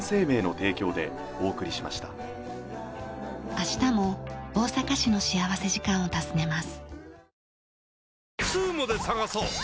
明日も大阪市の幸福時間を訪ねます。